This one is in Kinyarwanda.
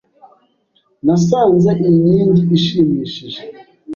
Nasanze iyi nkingi ishimishije.